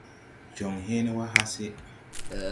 Jɔŋ hẽẽne wà hase.